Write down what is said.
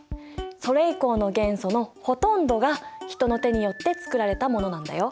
それ以降の元素のほとんどが人の手によって作られたものなんだよ。